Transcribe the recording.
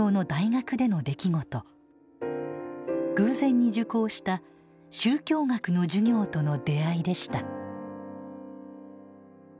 偶然に受講した宗教学の授業との出会いでした。